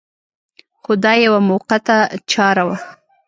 خو دا یوه موقته چاره وه.